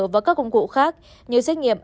và các công cụ khác như xét nghiệm